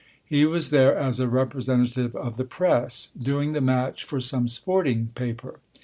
\ He was there as a representative of the Press, " doing " the match for some sporting paper.